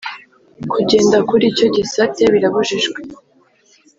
Kugenda kuricyo gisate birabujijwe